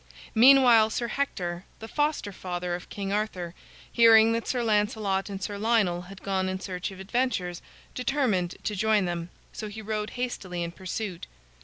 Meanwhile Sir Hector, the foster father of King Arthur, hearing that Sir Lancelot and Sir Lionel had gone in search of adventures, determined to join them; so he rode hastily in pursuit.